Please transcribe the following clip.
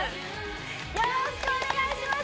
よろしくお願いします